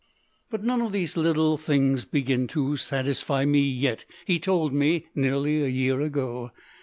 "But none of these little things begin to satisfy me yet," he told me nearly a year ago.